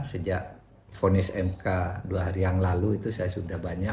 sejak vonis mk dua hari yang lalu itu saya sudah banyak